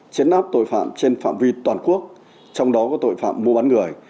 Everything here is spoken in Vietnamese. chấn áp tội phạm trên phạm vi toàn quốc trong đó có tội phạm mua bán người